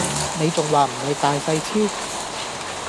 你仲話唔係大細超